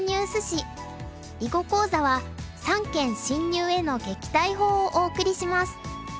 囲碁講座は「三間侵入への撃退法」をお送りします。